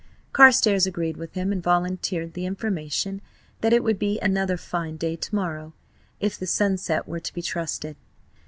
Carstares agreed with him, and volunteered the information that it would be another fine day to morrow, if the sunset were to be trusted.